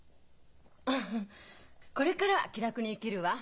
ハハッこれからは気楽に生きるわ。